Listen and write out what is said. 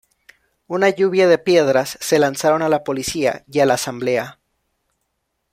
Una lluvia de piedras se lanzaron a la policía y a la Asamblea.